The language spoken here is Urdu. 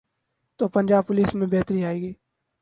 تو پنجاب پولیس میں بہتری آئے گی۔